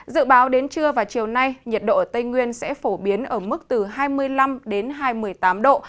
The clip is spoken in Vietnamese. dự báo đến trưa và chiều nay nhiệt độ ở tây nguyên sẽ phổ biến ở mức từ hai mươi năm đến hai mươi tám độ